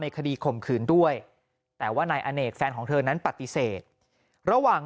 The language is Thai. คดีข่มขืนด้วยแต่ว่านายอเนกแฟนของเธอนั้นปฏิเสธระหว่าง